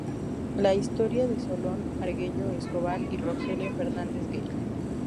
La historia de Solón Argüello Escobar y Rogelio Fernández Güell".